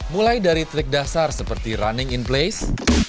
mulai dari trik dasar seperti running in place